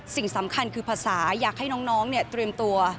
สิ่งสำคัญคือภาษาอยากให้น้องเตรียมตัว